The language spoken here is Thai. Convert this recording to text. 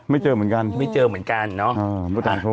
เจอเหมือนกันไม่เจอเหมือนกันเนาะ